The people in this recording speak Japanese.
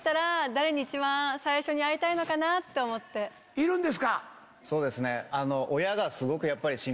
いるんですか？